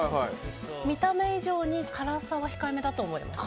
見た目以上に辛さは控えめだと思います。